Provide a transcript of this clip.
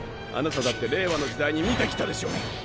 あなただって令和の時代に見て来たでしょう！？